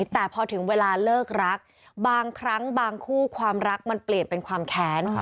แต่พอถึงเวลาเลิกรักบางครั้งบางคู่ความรักมันเปลี่ยนเป็นความแค้น